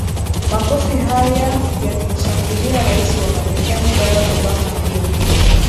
makofi haya yakimshangilia rais wa marekani barack obama akiwa